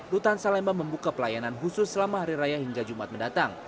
rutan salemba membuka pelayanan khusus selama hari raya hingga jumat mendatang